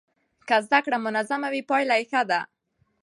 که زده کړه منظمه وي پایله یې ښه ده.